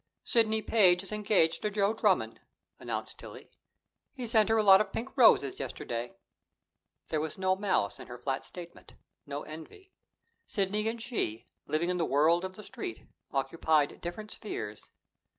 "Sidney Page is engaged to Joe Drummond," announced Tillie. "He sent her a lot of pink roses yesterday." There was no malice in her flat statement, no envy. Sidney and she, living in the world of the Street, occupied different spheres.